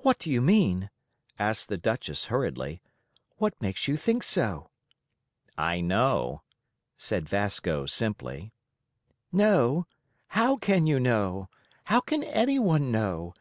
"What do you mean?" asked the Duchess hurriedly. "What makes you think so?" "I know," said Vasco simply. "Know? How can you know? How can anyone know?